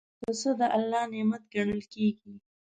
پسه د الله نعمت ګڼل کېږي.